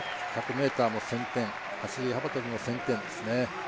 １００ｍも１０００点走り、走幅跳も１０００点ですね。